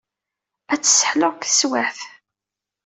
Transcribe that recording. Ad tt-sselḥuɣ deg teswiɛt.